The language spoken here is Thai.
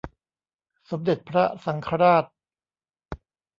สมเด็จพระสังฆราช